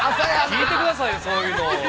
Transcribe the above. ◆聞いてください、そういうの。